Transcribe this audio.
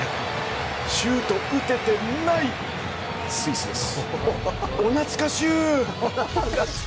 シュート打ててないスイスです。